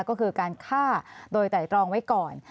ก็คือการฆ่าโดยไตรตรองไว้ก่อน